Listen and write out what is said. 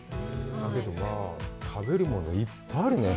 だけど食べるものいっぱいあるね。